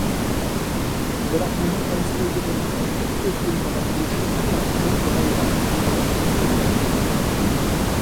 بىراق مېنىڭ ئەنسىرەيدىغىنىم بۈگۈن كۆزگە ئىلمىغان بۇ شۇم بۇيا، چوڭ بالايىئاپەت بولارمىكىن دەيمەن.